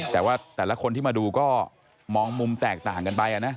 แต่ว่าแต่ละคนที่มาดูก็มองมุมแตกต่างกันไปนะ